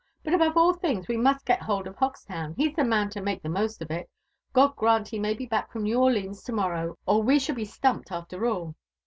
But aborve all things we must get bold of Ho^town: he's the man to make the most of it. God grant he may be back from New Orlines to*morrow, or we Shall be stQHipl after all."